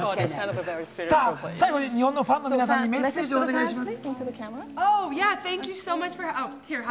最後の日本のファンの皆さんにメッセージをお願いします。